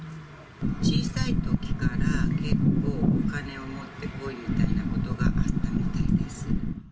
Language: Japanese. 小さいときから、結構、お金を持ってこいみたいなことがあったみたいです。